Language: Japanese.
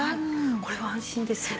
これは安心ですよ。